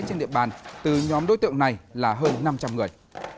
trên địa bàn từ nhóm đối tượng này là hơn năm trăm linh người